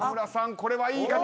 これはいい形。